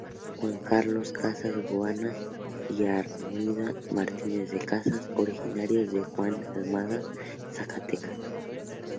Juan Carlos Casas Gaona y Armida Martínez de Casas, originarios de Juan Aldama, Zacatecas.